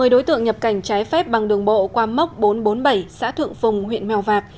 một mươi đối tượng nhập cảnh trái phép bằng đường bộ qua mốc bốn trăm bốn mươi bảy xã thượng phùng huyện mèo vạc